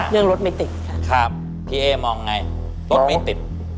เรื่องรถไม่ติดค่ะครับพี่เอ๊มองไงรถไม่ติด